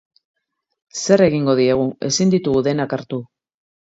Zer egingo diegu, ezin ditugu denak hartu.